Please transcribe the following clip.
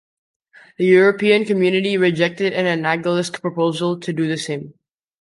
The European Community rejected an analogous proposal to do the same.